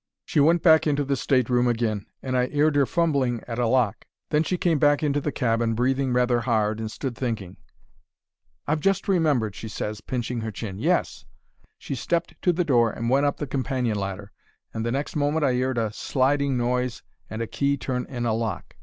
"She went back into the state room agin, and I 'eard her fumbling at a lock. Then she came back into the cabin, breathing rather hard, and stood thinking. "'I've just remembered,' she ses, pinching her chin. 'Yes!' "She stepped to the door and went up the companion ladder, and the next moment I 'eard a sliding noise and a key turn in a lock.